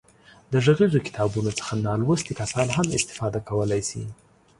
د غږیزو کتابونو څخه نالوستي کسان هم استفاده کولای شي.